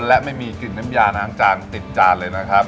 และไม่มีกลิ่นน้ำยาล้างจานติดจานเลยนะครับ